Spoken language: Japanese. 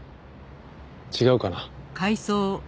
違うかな？